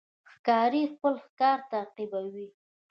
ښکاري خپل ښکار تعقیبوي.